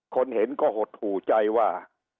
คนเห็นก็หดหูใจว่า